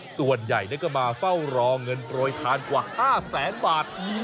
ส่วนใหญ่ก็มาเฝ้ารอเงินโปรยทานกว่า๕แสนบาท